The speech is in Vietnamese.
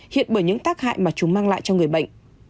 hiện bởi những tác hại mà chúng mang lại cho người bệnh